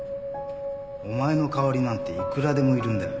お前の代わりなんていくらでもいるんだよ